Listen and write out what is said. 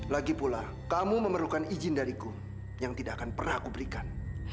lagipula kamu memerlukan izin dariku yang tidak akan pernah kuberikan